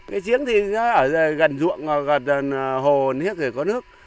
cái giếng thì ở gần ruộng gần hồ gần hiếc thì có nước